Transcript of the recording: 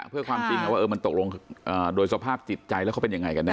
เพื่อความจริงว่ามันตกลงโดยสภาพจิตใจแล้วเขาเป็นยังไงกันแ